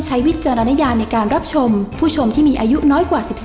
สวัสดีครับผู้ชมครับ